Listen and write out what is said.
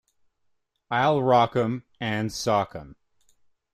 I'll rock 'em and sock 'em!